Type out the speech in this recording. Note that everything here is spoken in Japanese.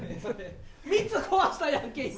３つ壊したやんけ！